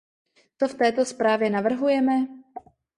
Co v této zprávě navrhujeme?